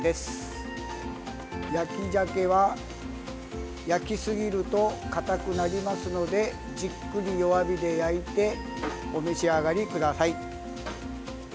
焼き鮭は焼きすぎるとかたくなりますのでじっくり弱火で焼いてお召し上がりください。